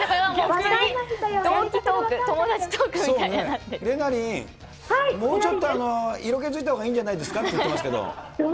同期トーク、友達トークみたいにれなりん、もうちょっと色気づいたほうがいいんじゃないですかって言ってますけど。